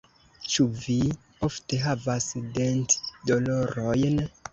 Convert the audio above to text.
Ĉu vi ofte havas dentdolorojn?